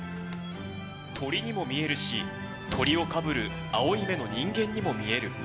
鳥にも見えるし、鳥をかぶる青い目の人間にも見える。